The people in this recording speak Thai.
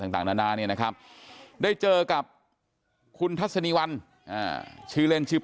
ต่างนานาเนี่ยนะครับได้เจอกับคุณทัศนีวัลชื่อเล่นชื่อ